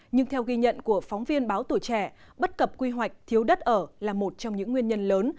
nhưng theo ghi nhận của phóng viên báo tuổi trẻ bất cập quy hoạch thiếu đất ở là một trong những nguyên nhân lớn